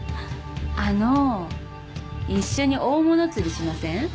あのう一緒に大物釣りしません？